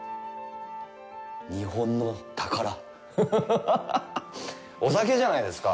日本の宝、お酒じゃないですか。